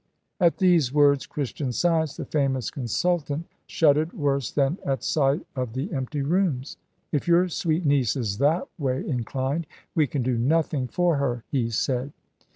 At these words Christian Science the famous consultant shuddered worse than at sight of the empty rooms. "If your sweet niece is that way inclined we can do nothing for her," he said.